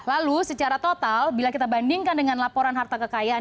lalu secara total bila kita bandingkan dengan laporan harta kekayaan